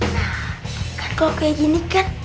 nah kalau kayak gini kan